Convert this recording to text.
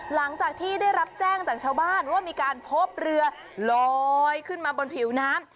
หลังจากที่ได้รับแจ้งจากชาวบ้านว่ามีการพบเรือลอยขึ้นมาบนผิวน้ำ